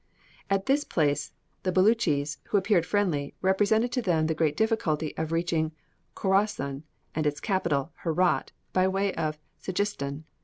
At this place, the Belutchis, who appeared friendly, represented to them the great difficulty of reaching Khorassan and its capital, Herat, by way of Sedjistan.